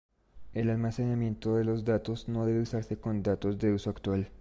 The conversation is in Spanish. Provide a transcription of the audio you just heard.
El almacenamiento de los datos no debe usarse con datos de uso actual.